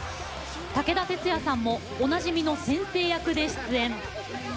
武田鉄矢さんもおなじみの先生役で出演。